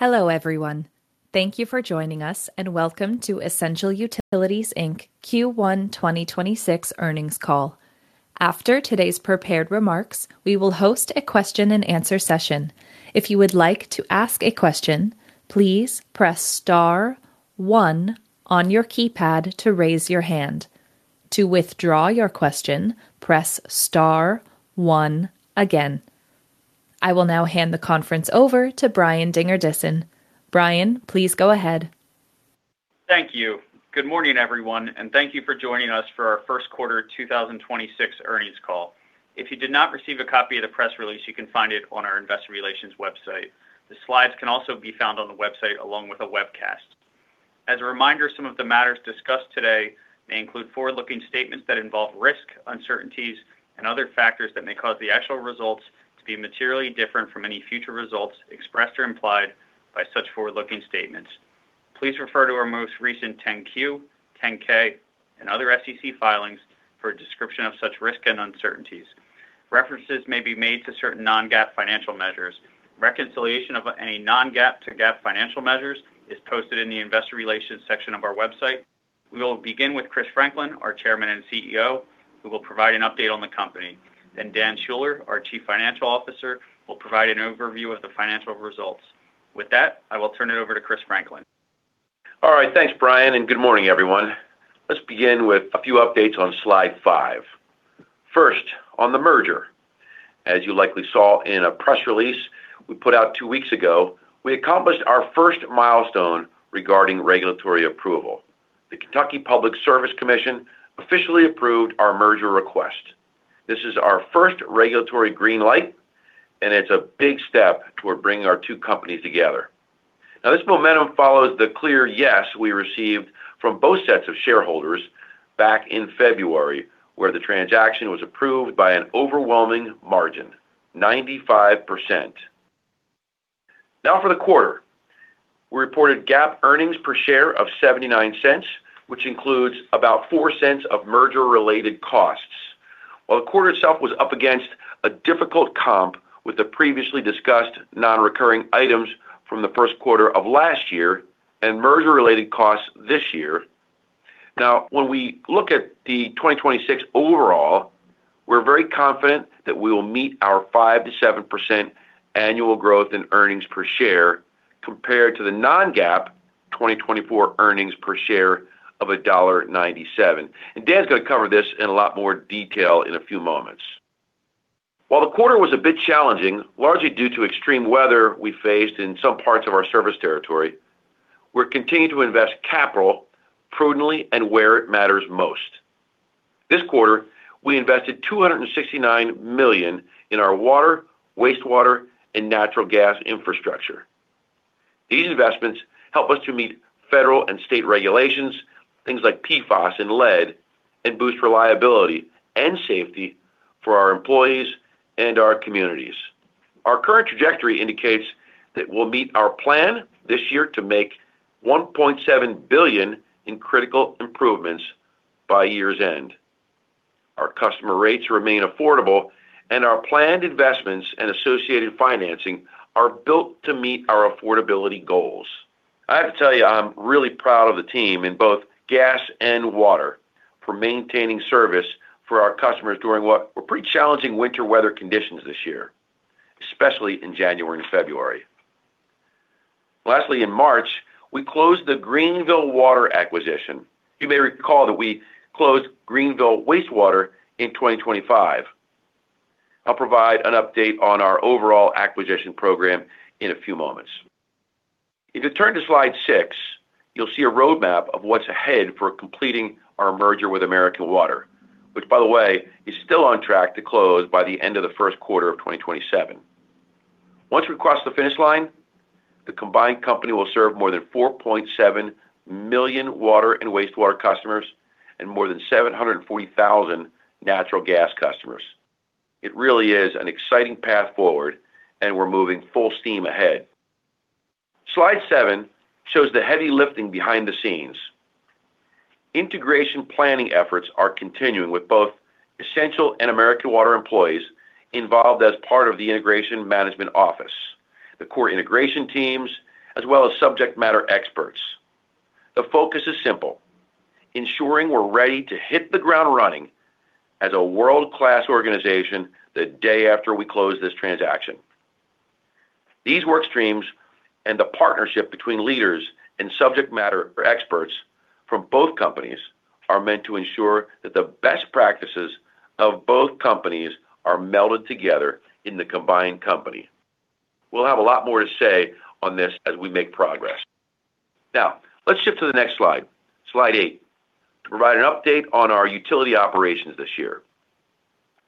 Hello, everyone. Thank you for joining us and welcome to Essential Utilities Inc. Q1 2026 earnings call. After today's prepared remarks, we will host a question and answer session. If you would like to ask a question, please press star one on your keypad to raise your hand. To withdraw your question, press star one again. I will now hand the conference over to Brian Dingerdissen. Brian, please go ahead. Thank you. Good morning, everyone, thank you for joining us for our 1st quarter 2026 earnings call. If you did not receive a copy of the press release, you can find it on our investor relations website. The slides can also be found on the website along with a webcast. As a reminder, some of the matters discussed today may include forward-looking statements that involve risk, uncertainties and other factors that may cause the actual results to be materially different from any future results expressed or implied by such forward-looking statements. Please refer to our most recent 10-Q, 10-K and other SEC filings for a description of such risks and uncertainties. References may be made to certain non-GAAP financial measures. Reconciliation of any non-GAAP to GAAP financial measures is posted in the investor relations section of our website. We will begin with Chris Franklin, our chairman and CEO, who will provide an update on the company. Dan Schuller, our Chief Financial Officer, will provide an overview of the financial results. With that, I will turn it over to Chris Franklin. All right. Thanks, Brian. Good morning, everyone. Let's begin with a few updates on slide five. First, on the merger. As you likely saw in a press release we put out two weeks ago, we accomplished our first milestone regarding regulatory approval. The Kentucky Public Service Commission officially approved our merger request. This is our first regulatory green light. It's a big step toward bringing our two companies together. This momentum follows the clear yes we received from both sets of shareholders back in February, where the transaction was approved by an overwhelming margin, 95%. For the quarter. We reported GAAP earnings per share of $0.79, which includes about $0.04 of merger-related costs. While the quarter itself was up against a difficult comp with the previously discussed non-recurring items from the first quarter of last year and merger-related costs this year. Now, when we look at the 2026 overall, we're very confident that we will meet our 5%-7% annual growth in earnings per share compared to the non-GAAP 2024 earnings per share of $1.97. Dan Schuller's going to cover this in a lot more detail in a few moments. While the quarter was a bit challenging, largely due to extreme weather we faced in some parts of our service territory, we're continuing to invest capital prudently and where it matters most. This quarter, we invested $269 million in our water, wastewater and natural gas infrastructure. These investments help us to meet federal and state regulations, things like PFAS and lead, and boost reliability and safety for our employees and our communities. Our current trajectory indicates that we'll meet our plan this year to make $1.7 billion in critical improvements by year's end. Our customer rates remain affordable, and our planned investments and associated financing are built to meet our affordability goals. I have to tell you, I'm really proud of the team in both gas and water for maintaining service for our customers during what were pretty challenging winter weather conditions this year, especially in January and February. Lastly, in March, we closed the Greenville Water acquisition. You may recall that we closed Greenville Wastewater in 2025. I'll provide an update on our overall acquisition program in a few moments. If you turn to slide six, you'll see a roadmap of what's ahead for completing our merger with American Water, which, by the way, is still on track to close by the end of the first quarter of 2027. Once we cross the finish line, the combined company will serve more than 4.7 million water and wastewater customers and more than 740,000 natural gas customers. It really is an exciting path forward and we're moving full steam ahead. Slide seven shows the heavy lifting behind the scenes. Integration planning efforts are continuing with both Essential and American Water employees involved as part of the integration management office, the core integration teams, as well as subject matter experts. The focus is simple: ensuring we're ready to hit the ground running as a world-class organization the day after we close this transaction. These work streams and the partnership between leaders and subject matter experts from both companies are meant to ensure that the best practices of both companies are melded together in the combined company. We'll have a lot more to say on this as we make progress. Let's shift to the next slide eight, to provide an update on our utility operations this year.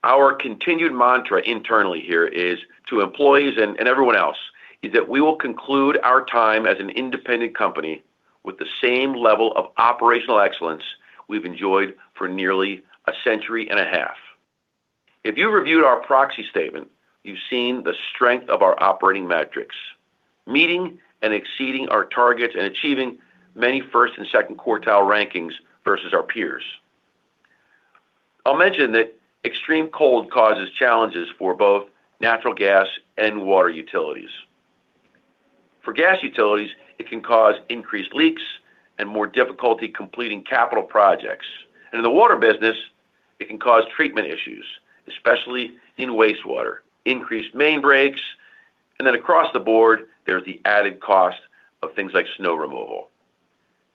Our continued mantra internally here is to employees and everyone else is that we will conclude our time as an independent company with the same level of operational excellence we've enjoyed for nearly a century and a half. If you reviewed our proxy statement, you've seen the strength of our operating metrics, meeting and exceeding our targets and achieving many first and second quartile rankings versus our peers. I'll mention that extreme cold causes challenges for both natural gas and water utilities. For gas utilities, it can cause increased leaks and more difficulty completing capital projects. In the water business, it can cause treatment issues, especially in wastewater, increased main breaks, and then across the board, there's the added cost of things like snow removal.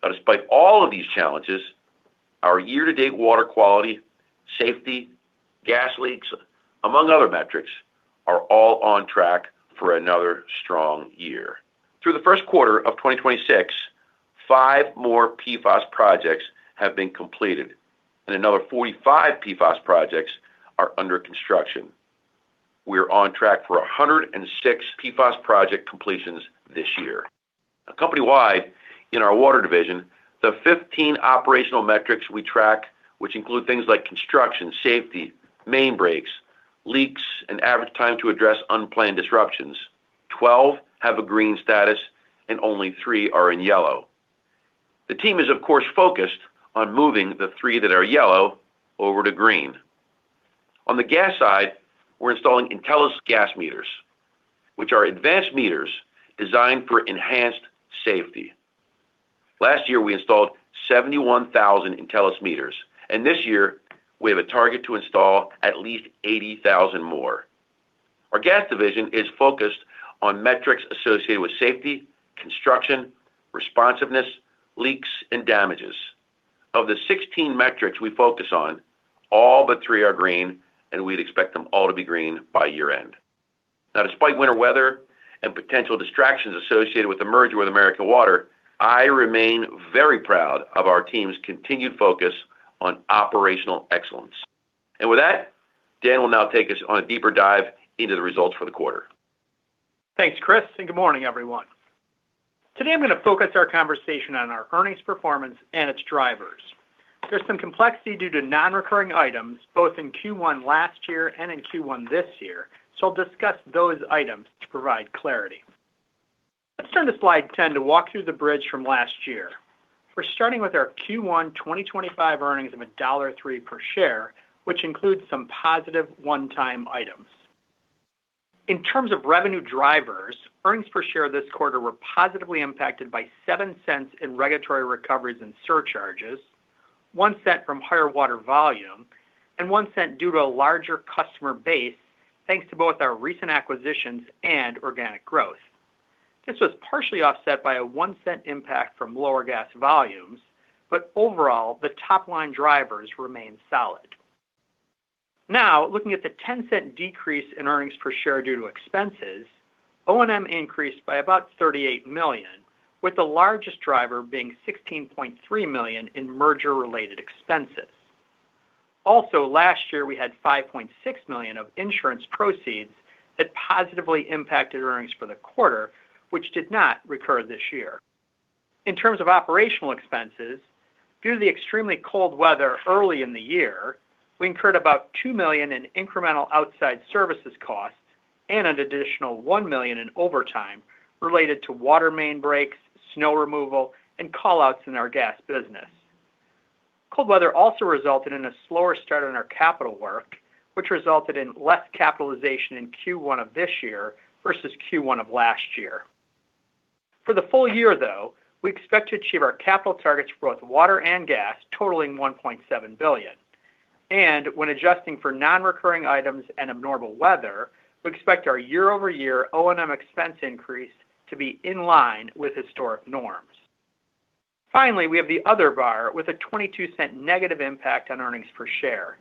Despite all of these challenges, our year-to-date water quality, safety, gas leaks, among other metrics, are all on track for another strong year. Through the first quarter of 2026, five more PFAS projects have been completed, and another 45 PFAS projects are under construction. We are on track for 106 PFAS project completions this year. Company-wide in our water division, the 15 operational metrics we track, which include things like construction, safety, main breaks, leaks, and average time to address unplanned disruptions, 12 have a green status and only three are in yellow. The team is, of course, focused on moving the three that are yellow over to green. On the gas side, we're installing Intelis gas meters, which are advanced meters designed for enhanced safety. Last year, we installed 71,000 Intelis meters, and this year we have a target to install at least 80,000 more. Our gas division is focused on metrics associated with safety, construction, responsiveness, leaks, and damages. Of the 16 metrics we focus on, all but three are green, and we'd expect them all to be green by year-end. Now, despite winter weather and potential distractions associated with the merger with American Water, I remain very proud of our team's continued focus on operational excellence. With that, Dan will now take us on a deeper dive into the results for the quarter. Thanks, Chris, and good morning, everyone. Today, I'm going to focus our conversation on our earnings performance and its drivers. There's some complexity due to non-recurring items both in Q1 last year and in Q1 this year. I'll discuss those items to provide clarity. Let's turn to slide 10 to walk through the bridge from last year. We're starting with our Q1 2025 earnings of $1.03 per share, which includes some positive one-time items. In terms of revenue drivers, earnings per share this quarter were positively impacted by $0.07 in regulatory recoveries and surcharges, $0.01 from higher water volume, and $0.01 due to a larger customer base, thanks to both our recent acquisitions and organic growth. This was partially offset by a $0.01 impact from lower gas volumes. Overall, the top-line drivers remain solid. Looking at the $0.10 decrease in EPS due to expenses, O&M increased by about $38 million, with the largest driver being $16.3 million in merger-related expenses. Last year, we had $5.6 million of insurance proceeds that positively impacted earnings for the quarter, which did not recur this year. In terms of operational expenses, due to the extremely cold weather early in the year, we incurred about $2 million in incremental outside services costs and an additional $1 million in overtime related to water main breaks, snow removal, and call-outs in our gas business. Cold weather also resulted in a slower start on our capital work, which resulted in less capitalization in Q1 of this year versus Q1 of last year. For the full year, though, we expect to achieve our capital targets for both water and gas, totaling $1.7 billion. When adjusting for non-recurring items and abnormal weather, we expect our year-over-year O&M expense increase to be in line with historic norms. Finally, we have the other bar with a $0.22 negative impact on EPS.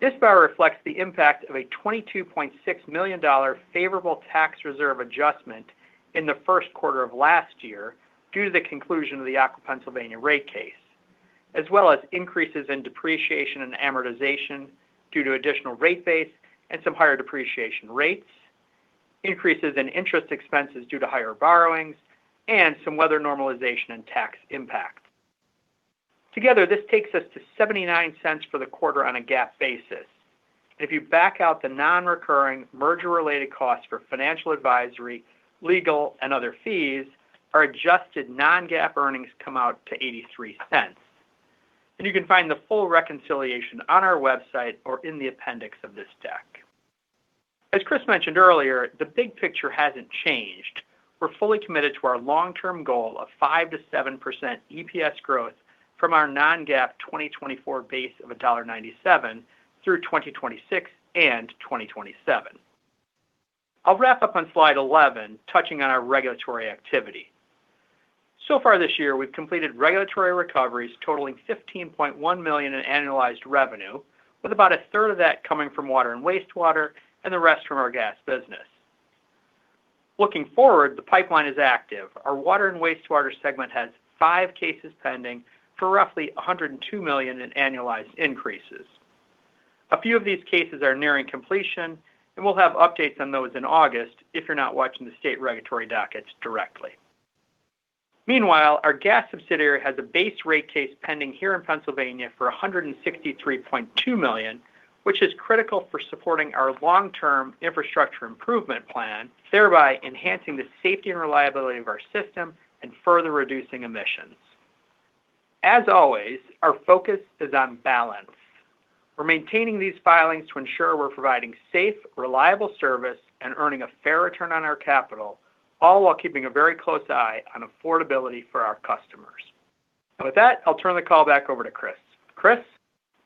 This bar reflects the impact of a $22.6 million favorable tax reserve adjustment in the first quarter of last year due to the conclusion of the Aqua Pennsylvania rate case, as well as increases in depreciation and amortization due to additional rate base and some higher depreciation rates, increases in interest expenses due to higher borrowings, and some weather normalization and tax impact. Together, this takes us to $0.79 for the quarter on a GAAP basis. If you back out the non-recurring merger-related costs for financial advisory, legal, and other fees, our adjusted non-GAAP earnings come out to $0.83. You can find the full reconciliation on our website or in the appendix of this deck. As Chris mentioned earlier, the big picture hasn't changed. We're fully committed to our long-term goal of 5%-7% EPS growth from our non-GAAP 2024 base of $1.97 through 2026 and 2027. I'll wrap up on slide 11, touching on our regulatory activity. Far this year, we've completed regulatory recoveries totaling $15.1 million in annualized revenue, with about a third of that coming from water and wastewater and the rest from our gas business. Looking forward, the pipeline is active. Our water and wastewater segment has five cases pending for roughly $102 million in annualized increases. A few of these cases are nearing completion, and we'll have updates on those in August if you're not watching the state regulatory dockets directly. Meanwhile, our gas subsidiary has a base rate case pending here in Pennsylvania for $163.2 million, which is critical for supporting our long-term infrastructure improvement plan, thereby enhancing the safety and reliability of our system and further reducing emissions. As always, our focus is on balance. We're maintaining these filings to ensure we're providing safe, reliable service and earning a fair return on our capital, all while keeping a very close eye on affordability for our customers. With that, I'll turn the call back over to Chris. Chris?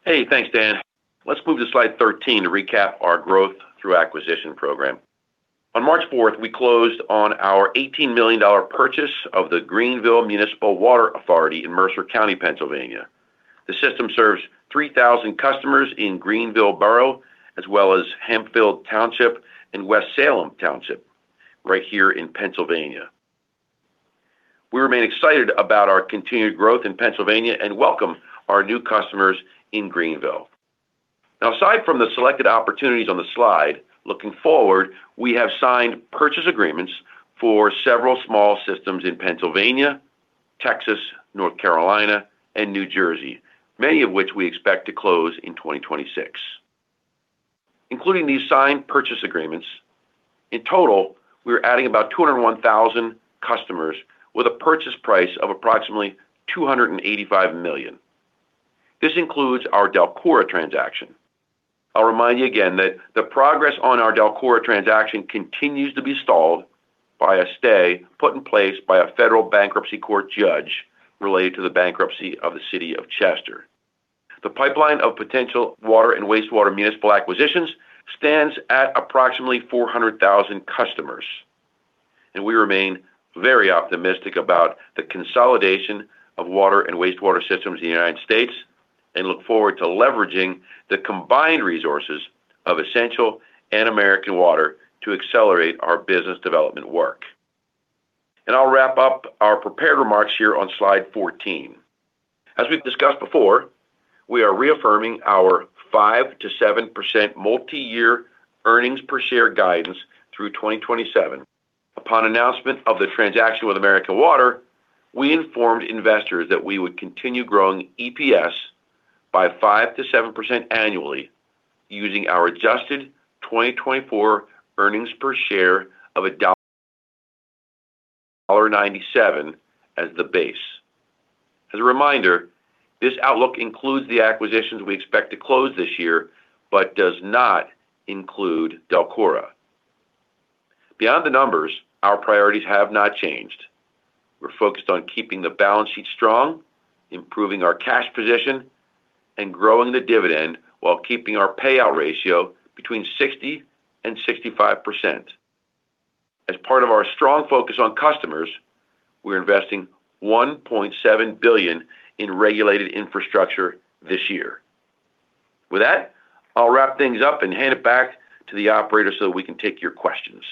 Thanks, Dan. Let's move to slide 13 to recap our growth through acquisition program. On March 4th, we closed on our $18 million purchase of the Greenville Municipal Water Authority in Mercer County, Pennsylvania. The system serves 3,000 customers in Greenville Borough, as well as Hempfield Township and West Salem Township right here in Pennsylvania. We remain excited about our continued growth in Pennsylvania and welcome our new customers in Greenville. Aside from the selected opportunities on the slide, looking forward, we have signed purchase agreements for several small systems in Pennsylvania, Texas, North Carolina, and New Jersey, many of which we expect to close in 2026. Including these signed purchase agreements, in total, we are adding about 201,000 customers with a purchase price of approximately $285 million. This includes our DELCORA transaction. I'll remind you again that the progress on our DELCORA transaction continues to be stalled by a stay put in place by a federal bankruptcy court judge related to the bankruptcy of the city of Chester. The pipeline of potential water and wastewater municipal acquisitions stands at approximately 400,000 customers, and we remain very optimistic about the consolidation of water and wastewater systems in the United States and look forward to leveraging the combined resources of Essential and American Water to accelerate our business development work. I'll wrap up our prepared remarks here on slide 14. As we've discussed before, we are reaffirming our 5%-7% multiyear earnings per share guidance through 2027. Upon announcement of the transaction with American Water, we informed investors that we would continue growing EPS by 5%-7% annually using our adjusted 2024 earnings per share of $1.97 as the base. As a reminder, this outlook includes the acquisitions we expect to close this year, but does not include DELCORA. Beyond the numbers, our priorities have not changed. We're focused on keeping the balance sheet strong, improving our cash position, and growing the dividend while keeping our payout ratio between 60% and 65%. As part of our strong focus on customers, we're investing $1.7 billion in regulated infrastructure this year. With that, I'll wrap things up and hand it back to the operator so we can take your questions.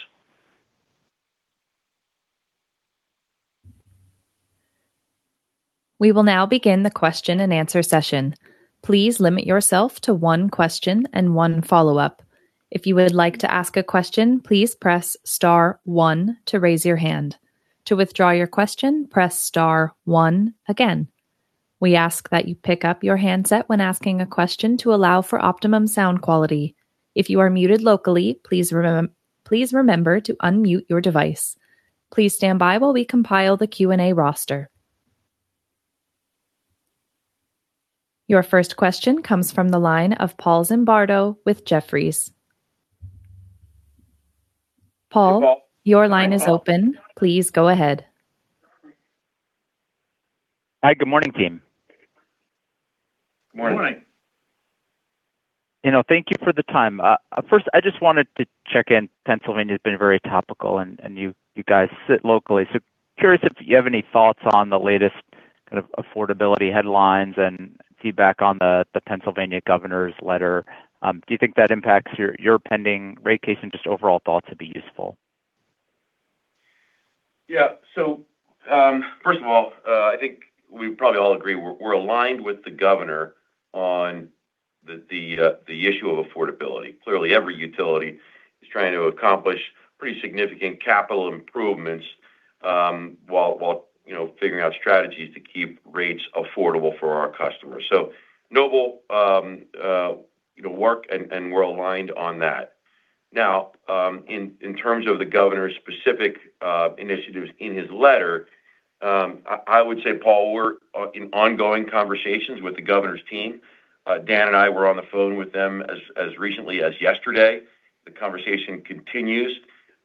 We will now begin the question-and-answer session. Please limit yourself to one question and one follow-up. If you would like to ask a question, please press star one to raise your hand. To withdraw your question, press star one again. We ask that you pick up your handset when asking a question to allow for optimum sound quality. If you are muted locally, please remember to unmute your device. Please stand by while we compile the Q&A roster. Your first question comes from the line of Paul Zimbardo with Jefferies. Paul- Hey, Paul. your line is open. Please go ahead. Hi. Good morning, team. Good morning. Good morning. You know, thank you for the time. First, I just wanted to check in. Pennsylvania has been very topical, and you guys sit locally. Curious if you have any thoughts on the latest kind of affordability headlines and feedback on the Pennsylvania governor's letter. Do you think that impacts your pending rate case and just overall thoughts would be useful? Yeah. First of all, I think we probably all agree we're aligned with the governor on the issue of affordability. Clearly, every utility is trying to accomplish pretty significant capital improvements, while, you know, figuring out strategies to keep rates affordable for our customers. Noble, you know, work and we're aligned on that. In terms of the governor's specific initiatives in his letter, I would say, Paul, we're in ongoing conversations with the governor's team. Dan and I were on the phone with them as recently as yesterday. The conversation continues.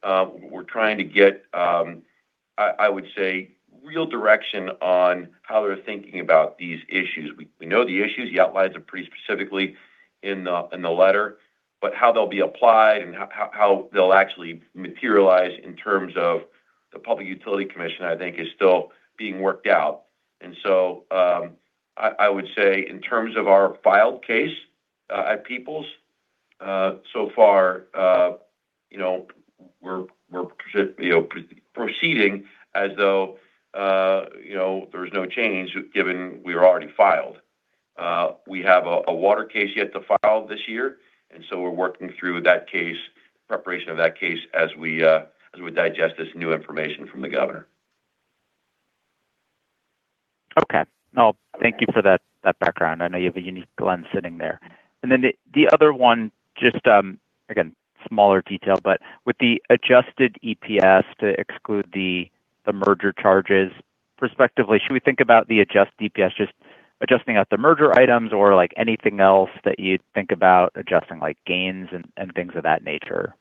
We're trying to get, I would say, real direction on how they're thinking about these issues. We know the issues. He outlines them pretty specifically in the letter. How they'll be applied and how they'll actually materialize in terms of the Public Utility Commission, I think is still being worked out. I would say in terms of our filed case at Peoples, so far, you know, we're proceeding as though, you know, there was no change given we are already filed. We have a water case yet to file this year. We're working through that case, preparation of that case as we digest this new information from the governor. Okay. No, thank you for that background. I know you have a unique lens sitting there. Then the other one, just, again, smaller detail, but with the adjusted EPS to exclude the merger charges prospectively, should we think about the adjusted EPS just adjusting out the merger items or, like, anything else that you'd think about adjusting, like gains and things of that nature?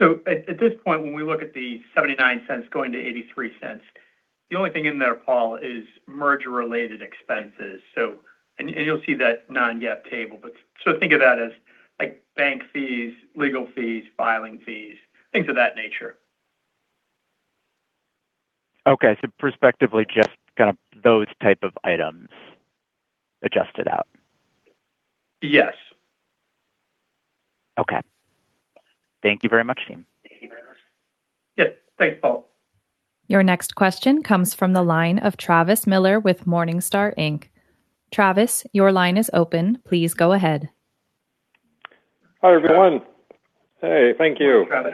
At this point, when we look at the $0.79 going to $0.83, the only thing in there, Paul, is merger related expenses. You'll see that non-GAAP table. Think of that as like bank fees, legal fees, filing fees, things of that nature. Okay. Perspectively, just kind of those type of items adjusted out. Yes. Okay. Thank you very much, team. Yeah. Thanks, Paul. Your next question comes from the line of Travis Miller with Morningstar Inc. Travis, your line is open. Please go ahead. Hi, everyone. Hey. Thank you. Hi,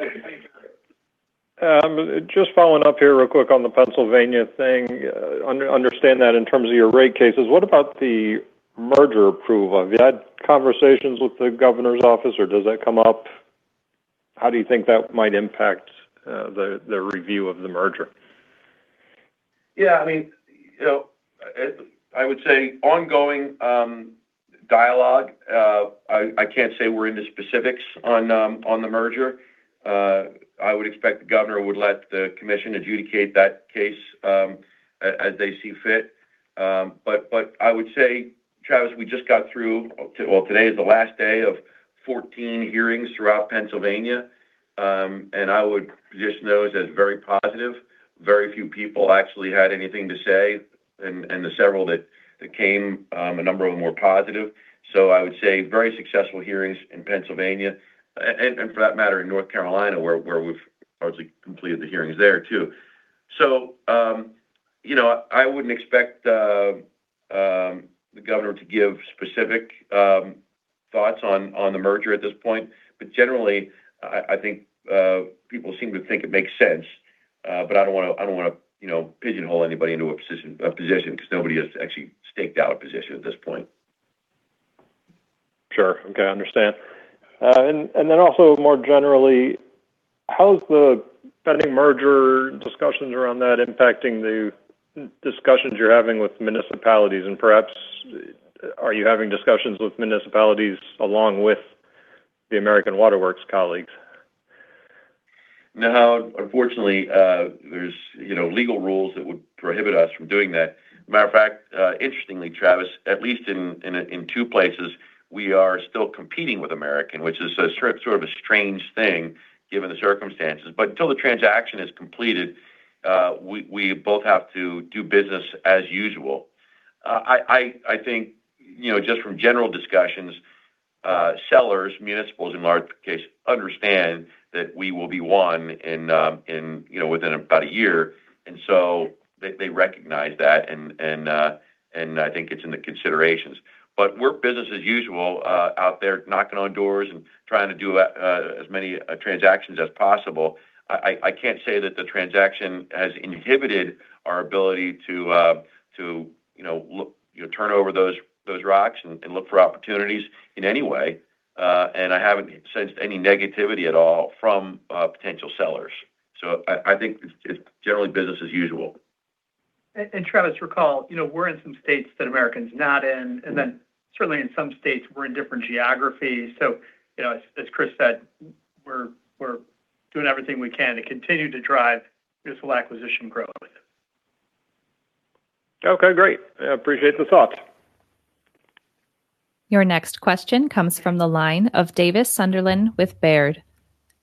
Travis. Just following up here real quick on the Pennsylvania thing. Understand that in terms of your rate cases, what about the merger approval? Have you had conversations with the governor's office, or does that come up? How do you think that might impact the review of the merger? Yeah, I mean, you know, I would say ongoing dialogue. I can't say we're into specifics on the merger. I would expect the governor would let the commission adjudicate that case as they see fit. I would say, Travis, we just got through Well, today is the last day of 14 hearings throughout Pennsylvania. I would position those as very positive. Very few people actually had anything to say. The several that came, a number of them were positive. I would say very successful hearings in Pennsylvania and for that matter, in North Carolina, where we've largely completed the hearings there too. You know, I wouldn't expect the governor to give specific thoughts on the merger at this point, but generally, I think people seem to think it makes sense. I don't wanna, you know, pigeonhole anybody into a position because nobody has actually staked out a position at this point. Sure. Okay. I understand. Then also more generally, how's the pending merger discussions around that impacting the discussions you're having with municipalities? Perhaps are you having discussions with municipalities along with the American Water Works colleagues? No, unfortunately, there's, you know, legal rules that would prohibit us from doing that. Matter of fact, interestingly, Travis, at least in a, in two places, we are still competing with American, which is a sort of a strange thing given the circumstances. Until the transaction is completed, we both have to do business as usual. I, I think, you know, just from general discussions, sellers, municipals in large case, understand that we will be one in, you know, within about a year. They recognize that and, I think it's in the considerations. We're business as usual, out there knocking on doors and trying to do as many transactions as possible. I can't say that the transaction has inhibited our ability to, you know, look, you know, turn over those rocks and look for opportunities in any way. I haven't sensed any negativity at all from potential sellers. I think it's generally business as usual. Travis recall, you know, we're in some states that American's not in, and then certainly in some states we're in different geographies. You know, as Chris said, we're doing everything we can to continue to drive useful acquisition growth. Okay. Great. I appreciate the thoughts. Your next question comes from the line of Davis Sunderland with Baird.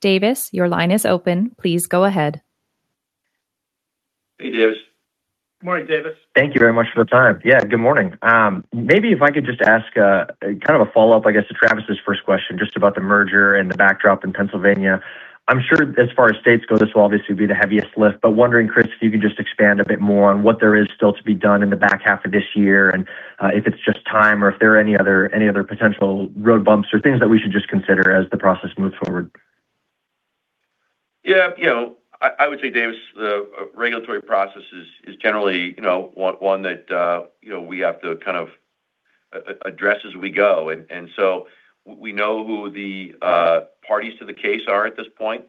Davis, your line is open. Please go ahead. Hey, Davis. Morning, Davis. Thank you very much for the time. Yeah, good morning. Maybe if I could just ask, kind of a follow-up, I guess, to Travis's first question, just about the merger and the backdrop in Pennsylvania. I am sure as far as states go, this will obviously be the heaviest lift, but wondering, Chris, if you can just expand a bit more on what there is still to be done in the back half of this year and if it is just time or if there are any other potential road bumps or things that we should just consider as the process moves forward. Yeah. You know, I would say, Davis, the regulatory process is generally, you know, one that, you know, we have to kind of address as we go. So we know who the parties to the case are at this point.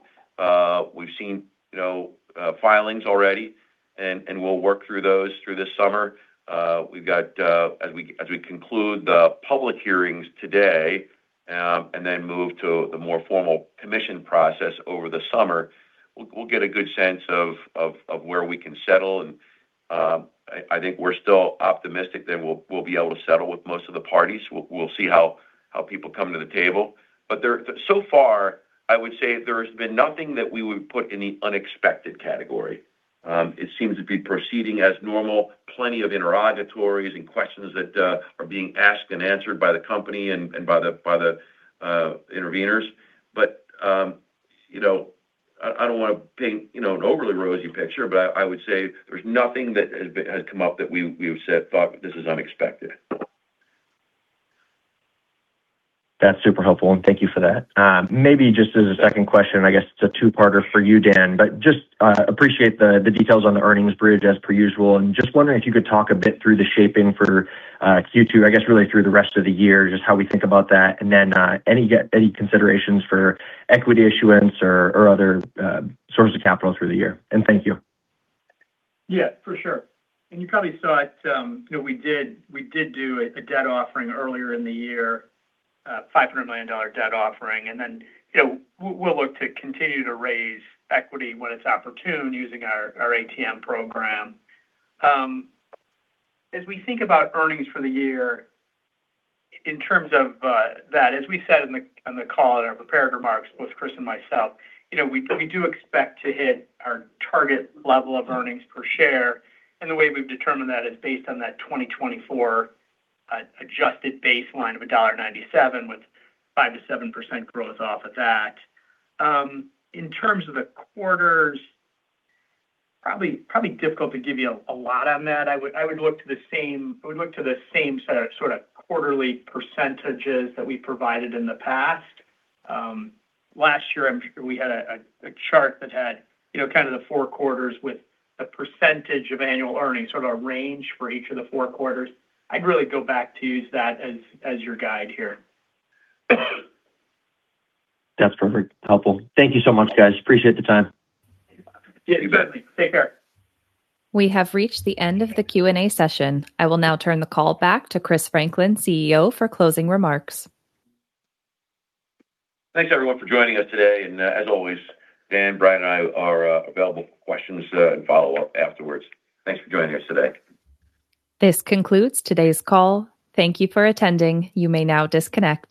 We've seen, you know, filings already, and we'll work through those through this summer. We've got, as we conclude the public hearings today, and then move to the more formal commission process over the summer, we'll get a good sense of where we can settle and, I think we're still optimistic that we'll be able to settle with most of the parties. We'll see how people come to the table. So far, I would say there has been nothing that we would put in the unexpected category. It seems to be proceeding as normal. Plenty of interrogatories and questions that are being asked and answered by the company and by the interveners. You know, I don't wanna paint, you know, an overly rosy picture, but I would say there's nothing that has come up that we've thought, "This is unexpected. That's super helpful and thank you for that. Maybe just as a second question, I guess it's a two-parter for you, Dan, but just appreciate the details on the earnings bridge as per usual, and just wondering if you could talk a bit through the shaping for Q2, I guess really through the rest of the year, just how we think about that. Then any considerations for equity issuance or other sources of capital through the year. Thank you. Yeah, for sure. You probably saw it, you know, we did do a debt offering earlier in the year, a $500 million debt offering. You know, we'll look to continue to raise equity when it's opportune using our ATM program. As we think about earnings for the year in terms of that, as we said in the call in our prepared remarks, both Chris and myself, you know, we do expect to hit our target level of earnings per share. The way we've determined that is based on that 2024 adjusted baseline of $1.97 with 5%-7% growth off of that. In terms of the quarters, probably difficult to give you a lot on that. I would look to the same set of sort of quarterly percentages that we provided in the past. Last year I'm sure we had a chart that had, you know, kind of four quarters with a percentage of annual earnings, sort of a range for each of the four quarters. I'd really go back to use that as your guide here. That's perfect. Helpful. Thank you so much, guys. Appreciate the time. Yeah, you bet. Take care We have reached the end of the Q&A session. I will now turn the call back to Chris Franklin, CEO, for closing remarks. Thanks everyone for joining us today, and as always, Dan, Brian, and I are available for questions and follow up afterwards. Thanks for joining us today. This concludes today's call. Thank you for attending. You may now disconnect.